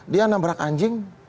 dia nabrak anjing